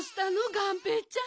がんぺーちゃん。